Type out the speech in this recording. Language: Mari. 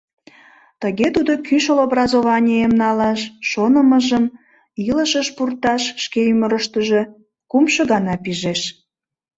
Тыге тудо кӱшыл образованийым налаш шонымыжым илышыш пурташ шке ӱмырыштыжӧ кумшо гана пижеш.